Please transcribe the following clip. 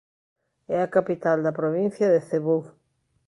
É a capital da provincia de Cebú.